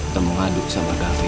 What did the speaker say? kamu ngaduk sama gafi